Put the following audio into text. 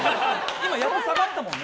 今、やっと下がったもんね。